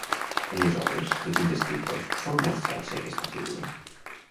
En les obres de quins escriptors sol mostrar-se aquesta figura?